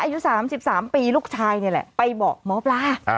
อายุ๓๓ปีลูกชายนี่แหละไปบอกหมอปลา